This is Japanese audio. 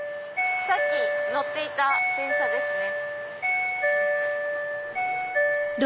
さっき乗っていた電車ですね。